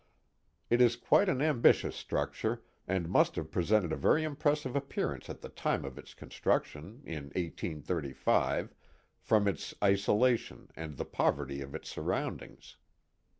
It is quite an ambitious struc ture, and must have presented a very impressive appearance at the time of its construction, in 1S3;, from its isolation and the poverty of its surroundings.